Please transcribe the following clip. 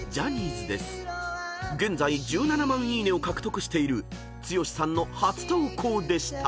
［現在１７万いいね！を獲得している剛さんの初投稿でした］